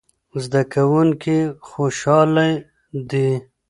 زده کوونکي خوشاله دي.